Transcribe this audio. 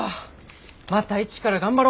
また一から頑張ろ！